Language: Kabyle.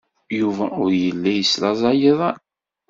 Yuba ur yelli yeslaẓay iḍan.